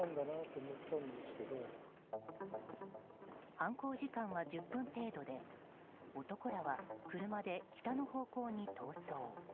犯行時間は１０分程度で男らは車で北の方向に逃走。